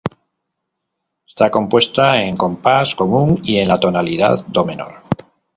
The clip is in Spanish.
Está compuesta en compás común y en la tonalidad Do menor.